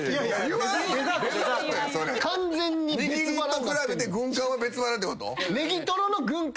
握りと比べて軍艦は別腹ってこと？